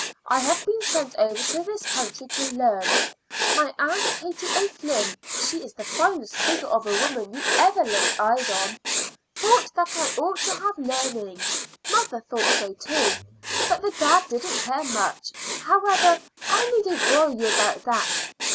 I have been sent over to this country to learn. My aunt Katie O'Flynn she's the finest figure of a woman you ever laid eyes on thought that I ought to have learning; mother thought so too, but the dad didn't much care. However, I needn't worry you about that.